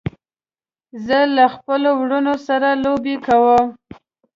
زه له خپلو وروڼو سره لوبې کوم.